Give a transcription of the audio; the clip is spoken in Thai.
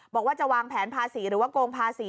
บอกว่าจะวางแผนภาษีหรือว่าโกงภาษี